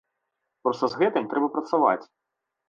Проста з гэтым трэба працаваць.